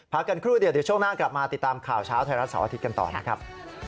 กันครู่เดียวเดี๋ยวช่วงหน้ากลับมาติดตามข่าวเช้าไทยรัฐเสาร์อาทิตย์กันต่อนะครับ